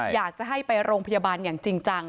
อยากจะให้ไปโรงพยาบาลอย่างจริงจัง